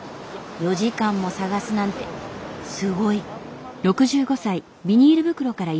４時間も探すなんてすごい！